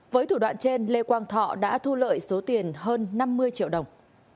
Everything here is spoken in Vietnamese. với thủ đoạn trên lê quang thọ đã thu lợi số tiền hơn năm mươi triệu đồng